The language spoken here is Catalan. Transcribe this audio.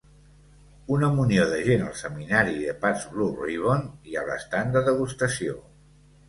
Una munió de gent al seminari de Pabst Blue Ribbon y a l'estand de degustació.